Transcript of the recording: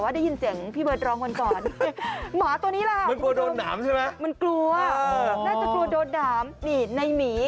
น่าจะกลัวโดนหนามนี่ในหมี